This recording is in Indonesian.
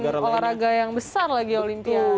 betul di event olahraga yang besar lagi ya olimpiade